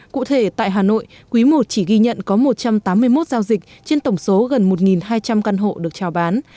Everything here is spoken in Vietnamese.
cụ thể tại hà nội quý i chỉ ghi nhận có một trăm tám mươi một giao dịch trên tổng số gần một hai trăm linh căn hộ được trao bán